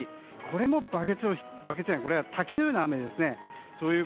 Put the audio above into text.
これは滝のような雨ですね。